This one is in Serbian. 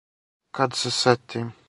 Кад се сетим.